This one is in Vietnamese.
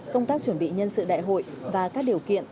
công tác chuẩn bị nhân sự đại hội và các điều kiện